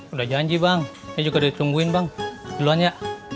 udah janji bang ini juga ditungguin bang duluan ya